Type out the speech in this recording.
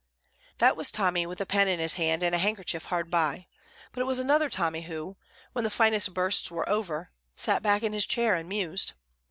That was Tommy with a pen in his hand and a handkerchief hard by; but it was another Tommy who, when the finest bursts were over, sat back in his chair and mused.